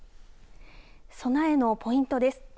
備えのポイントです。